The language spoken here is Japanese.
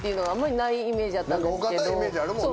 お堅いイメージあるもんね。